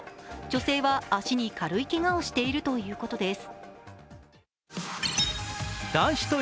女性は足に軽いけがをしているということです。